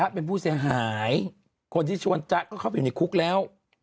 เป็นผู้เสียหายคนที่ชวนจ๊ะก็เข้าไปอยู่ในคุกแล้ว